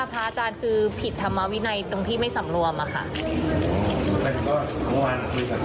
พระอาจารย์คือผิดธรรมวินัยตรงที่ไม่สำรวมอะค่ะ